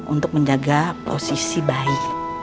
untuk menjaga posisi bayi